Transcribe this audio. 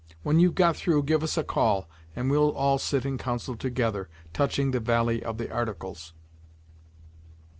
When you've got through give us a call, and we'll all sit in council together touching the valie of the articles."